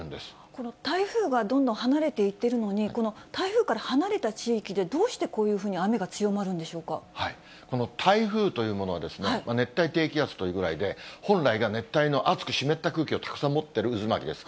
この台風がどんどん離れていってるのに、この台風から離れた地域で、どうしてこういうふうにこの台風というものは、熱帯低気圧というぐらいで本来が熱帯の熱く湿った空気をたくさん持ってる渦巻きです。